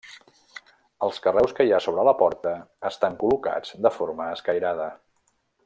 Els carreus que hi ha sobre la porta estan col·locats de forma escairada.